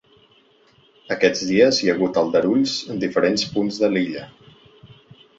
Aquests dies hi ha hagut aldarulls en diferents punts de l’illa.